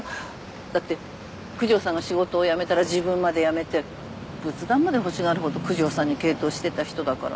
だって九条さんが仕事を辞めたら自分まで辞めて仏壇まで欲しがるほど九条さんに傾倒してた人だから。